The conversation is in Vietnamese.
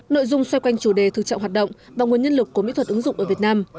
nội dung xoay quanh chủ đề thực trạng hoạt động và nguồn nhân lực của mỹ thuật ứng dụng ở việt nam